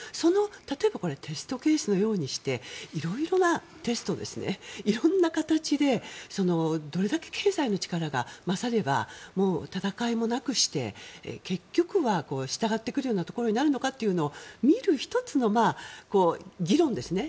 例えばテストケースのようにして色々なテスト色んな形でどれだけ経済の力が勝れば戦いもなくして結局は従ってくるようなところになるのかを見る１つの議論ですね。